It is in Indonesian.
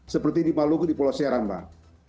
seperti di maluku di pulau seram pak